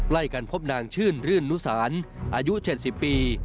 ใกล้กันพบนางชื่นรื่นนุสานอายุ๗๐ปี